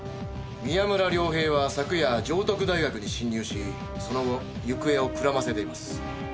宮村涼平は昨夜城徳大学に侵入しその後行方をくらませています。